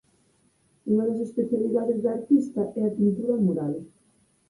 Unha das especialidades da artista é a pintura mural.